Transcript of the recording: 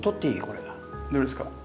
どれですか？